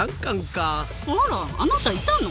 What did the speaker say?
あらあなたいたの？